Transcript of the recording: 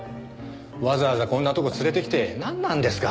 わざわざこんなとこ連れて来てなんなんですか？